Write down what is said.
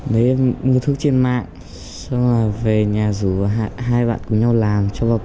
mấy em mua thuốc trên mạng xong là về nhà rủ và hai bạn cùng nhau làm cho vào cối giã